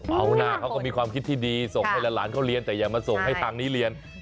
เอาหน้าเขาก็มีความคิดที่ดีส่งให้หลานเขาเรียนแต่อย่ามาส่งให้ทางนี้เรียน